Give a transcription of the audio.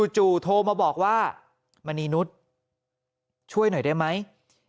โทรมาบอกว่ามณีนุษย์ช่วยหน่อยได้ไหม